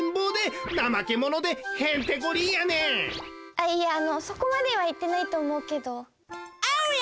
あいやあのそこまではいってないとおもうけど。